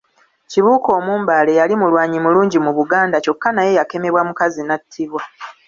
Kibuuka Omumbaale yali mulwanyi mulungi mu Buganda kyokka naye yakemebwa mukazi nattibwa.